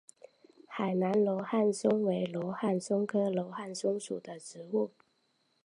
海南罗汉松为罗汉松科罗汉松属的植物。